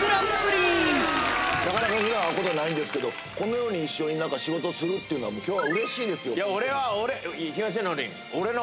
なかなかふだん会うことないんですけどこのように一緒になんか仕事するっていうのは今日は嬉しいですよいや俺は東野リン